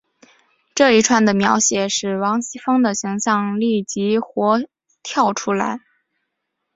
这一串的描写使王熙凤的形象立即活跳出来。